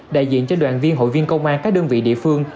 đại diện cho đoàn viên hội viên công an các đơn vị địa phương